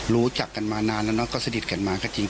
รู้จักกันมานานแล้วเนาะก็สนิทกันมาก็จริง